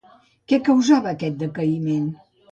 Què causava aquest decaïment?